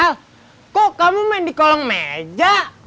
al kok kamu main di kolam meja